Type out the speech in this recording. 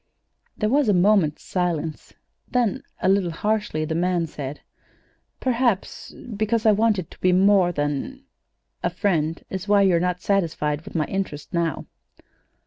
There was a moment's silence; then, a little harshly, the man said: "Perhaps because I wanted to be more than a friend is why you're not satisfied with my interest now."